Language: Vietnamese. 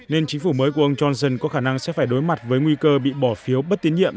nên chính phủ mới của ông johnson có khả năng sẽ phải đối mặt với nguy cơ bị bỏ phiếu bất tiến nhiệm